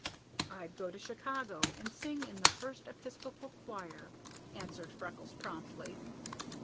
"I'd go to Chicago and sing in the First Episcopal choir," answered Freckles promptly.